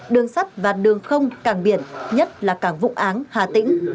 đường sắt và đường không cảng biển nhất là cảng vũng áng hà tĩnh